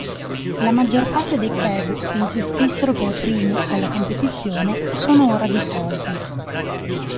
La maggior parte dei club che s'iscrissero per primi alla competizione sono ora dissolti.